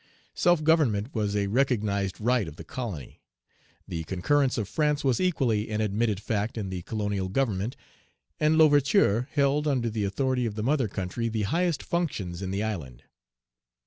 Self government was a recognized right of the colony. The concurrence of France was equally an admitted fact in the colonial government, and L'Ouverture held, under the authority of the mother country, the highest functions in the island.